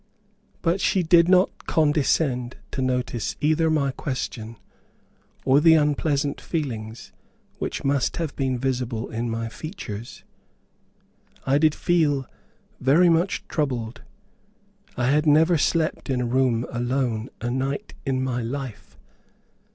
But she did not condescend to notice either my question or the unpleasant feelings which must have been visible in my features. I did feel very much troubled. I had never slept in a room alone a night in my life.